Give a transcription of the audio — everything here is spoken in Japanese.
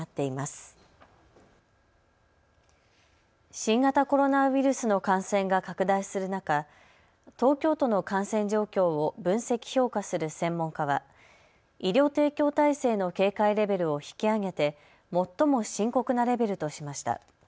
新型コロナウイルスの感染が拡大する中、東京都の感染状況を分析・評価する専門家は医療提供体制の警戒レベルを引き上げて最も深刻なレベルとしました。